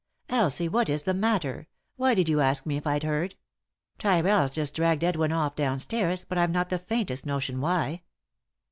" Elsie, what is the matter ? Why did you ask me if I'd heard ? Tyrrell's just dragged Edwin off downstairs, but I've not the faintest notion why."